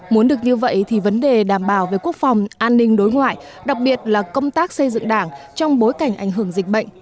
muốn được như vậy thì vấn đề đảm bảo về quốc phòng an ninh đối ngoại đặc biệt là công tác xây dựng đảng trong bối cảnh ảnh hưởng dịch bệnh